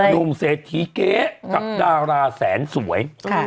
นุ่มเศษทีเกะดาวราแสนสวย